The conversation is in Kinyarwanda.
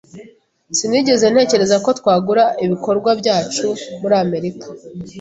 Sinigeze ntekereza ko twagura ibikorwa byacu muri Amerika